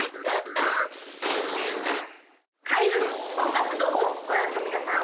開運音楽堂をご覧の皆さん